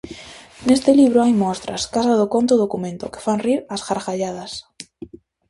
Neste libro hai mostras, caso do conto "O documento", que fan rir ás gargalladas.